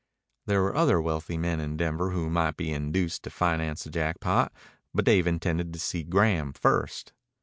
There were other wealthy men in Denver who might be induced to finance the Jackpot, but Dave intended to see Graham first.